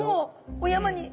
お山に？